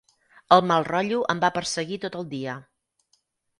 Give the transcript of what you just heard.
El mal rotllo em va perseguir tot el dia.